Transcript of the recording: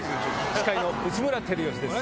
司会の内村光良です